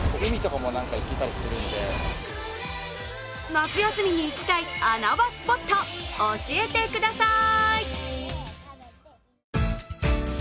夏休みに行きたい穴場スポット、教えてください。